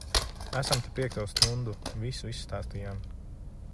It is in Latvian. Esam te piekto stundu. Visu izstāstījām.